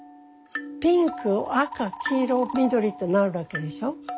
ピンク赤黄色緑となるわけでしょ。